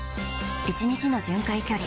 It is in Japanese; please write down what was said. １日の巡回距離